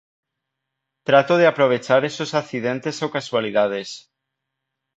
Trato de aprovechar esos accidentes o casualidades.